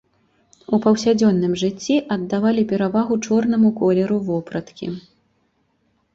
У паўсядзённым жыцці аддавалі перавагу чорнаму колеру вопраткі.